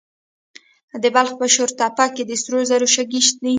د بلخ په شورتپه کې د سرو زرو شګې دي.